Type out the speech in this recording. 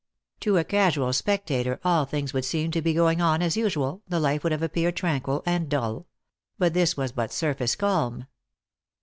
To a casual spectator, all things would seem to be going on as usual, the life would have appeared tranquil and dull; but this was but surface calm.